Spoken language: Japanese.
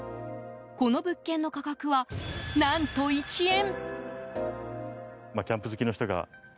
この物件の価格は、何と１円。